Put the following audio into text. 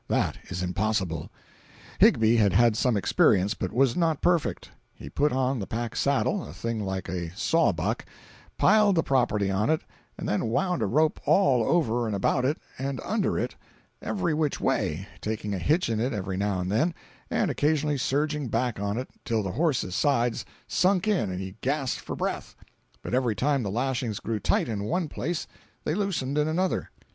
That is impossible. Higbie had had some experience, but was not perfect. He put on the pack saddle (a thing like a saw buck), piled the property on it and then wound a rope all over and about it and under it, "every which way," taking a hitch in it every now and then, and occasionally surging back on it till the horse's sides sunk in and he gasped for breath—but every time the lashings grew tight in one place they loosened in another.